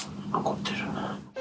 怒ってるな。